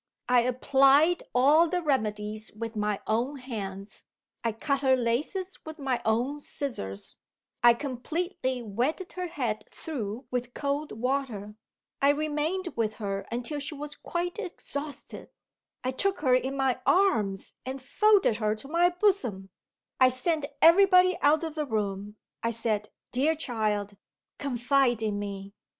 "I applied all the remedies with my own hands; I cut her laces with my own scissors, I completely wetted her head through with cold water; I remained with her until she was quite exhausted I took her in my arms, and folded her to my bosom; I sent every body out of the room; I said, 'Dear child, confide in me.